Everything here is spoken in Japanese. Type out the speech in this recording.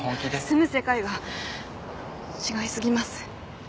住む世界が違いすぎます。